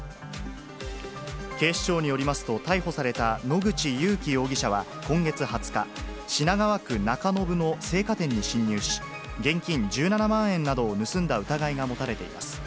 警視庁によりますと、逮捕された野口勇樹容疑者は今月２０日、品川区中延の青果店に侵入し、現金１７万円などを盗んだ疑いが持たれています。